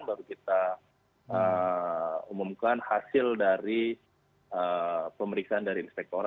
baru kita umumkan hasil dari pemeriksaan dari inspektor